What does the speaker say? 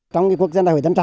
trong quốc dân đại hội tân trào